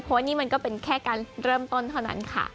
เพราะว่านี่มันก็เป็นแค่การเริ่มต้นเท่านั้นค่ะ